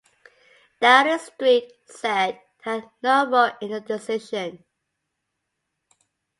Downing Street said it had no role in the decision.